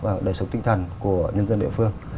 và đề sử tinh thần của nhân dân địa phương